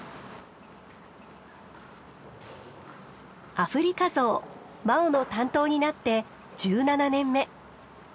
アフリカゾウマオの担当になって１７年目。